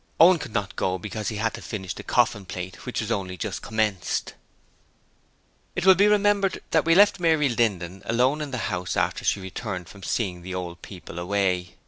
Owen could not go because he had to finish the coffin plate, which was only just commenced. It will be remembered that we left Mary Linden alone in the house after she returned from seeing the old people away.